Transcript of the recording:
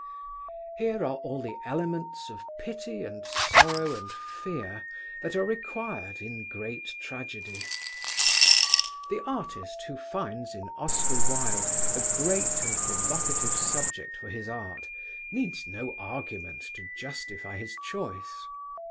Here are all the elements of pity and sorrow and fear that are required in great tragedy. The artist who finds in Oscar Wilde a great and provocative subject for his art needs no argument to justify his choice.